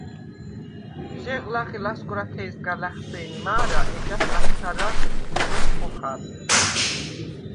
ჟეღ ლახე ლასგვარათე̄სგა ლა̈ხსე̄ნი მა̄რა, ეჯას აშთარაღდ შგვირ როქვ ხოხალ.